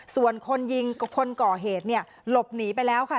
ส่วนคนยิงคนก่อเหตุเนี่ยหลบหนีไปแล้วค่ะ